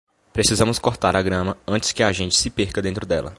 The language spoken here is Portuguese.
Precisamos cortar a grama antes que a gente se perca dentro dela.